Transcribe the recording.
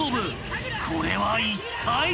［これはいったい？］